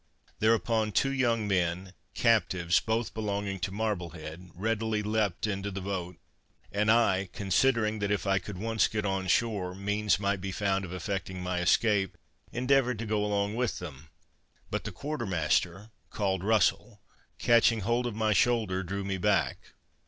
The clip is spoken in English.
Thereupon two young men, captives, both belonging to Marblehead, readily leapt into the boat, and I considering, that if I could once get on shore, means might be found of effecting my escape, endeavored to go along with them. But the quarter master, called Russel, catching hold of my shoulder, drew me back.